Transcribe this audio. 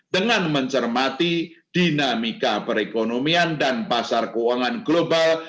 dengan mencermati dinamika perekonomian dan pasar keuangan global